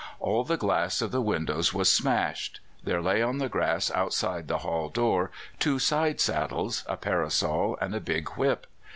All the glass of the windows was smashed. There lay on the grass outside the hall door two side saddles, a parasol, and a big whip.